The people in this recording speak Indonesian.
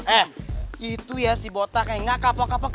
eh itu ya si botak yang gak kapok kapok